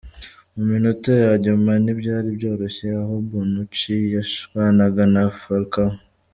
Mu minota ya nyuma ntibyari byoroshye, aha Bonucci yashwanaga na Falcao.